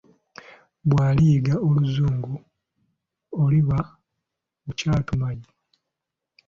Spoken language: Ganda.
Bw'oliyiga oluzungu oliba okyatumanyi?